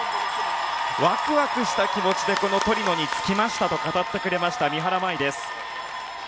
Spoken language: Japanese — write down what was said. ワクワクした気持ちでトリノに着きましたと語った三原舞依です。